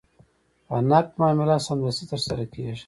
په نقد معامله سمدستي ترسره کېږي.